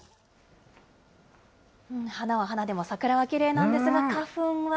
花は花でも桜はきれいなんですが、花粉は。